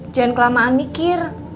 jangan kelamaan mikir